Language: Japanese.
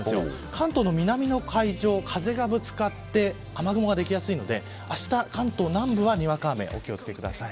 関東の南の海上、風がぶつかって雨雲ができやすいのであした関東南部はにわか雨にお気を付けください。